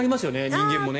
人間もね。